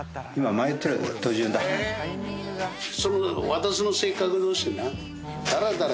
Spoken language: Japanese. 私の性格としてな